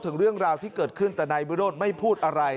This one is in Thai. ถึงเรื่องราวที่เกิดขึ้นแต่นายวิโรธไม่พูดอะไร